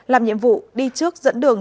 làm nhiệm vụ đi trước dẫn đường